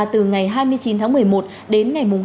từ ngày hai mươi chín tháng một mươi một đến ngày một